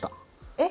えっ？